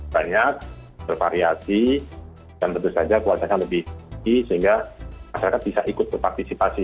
banyak bervariasi dan tentu saja kualitasnya lebih tinggi sehingga masyarakat bisa ikut berpartisipasi